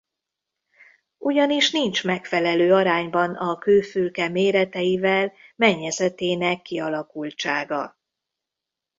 Ugyanis nincs megfelelő arányban a kőfülke méreteivel mennyezetének kialakultsága.